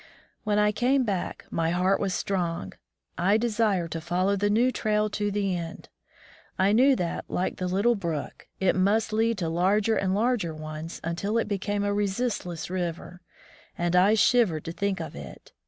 When I came back, my heart was strong. I desired to follow the new trail to the end. I knew that, like the little brook, it must lead to larger and larger ones until it became a resistless river, and I shivered to think of it.